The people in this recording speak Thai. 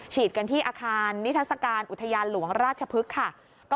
กันที่อาคารนิทัศกาลอุทยานหลวงราชพฤกษ์ค่ะ